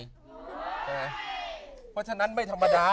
เพราะฉะนั้นไม่ธรรมดา